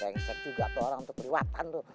rengsek juga tuh orang untuk periwatan tuh